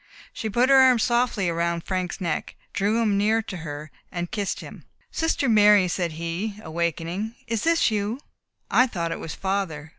She put her arm softly round Frank's neck, drew him near to her, and kissed him. "Sister Mary," said he, awaking, "is this you? I thought it was father.